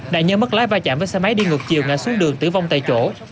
đại nhân mất lái va chạm với xe máy đi ngược chiều ngả xuống đường tử vong tại chỗ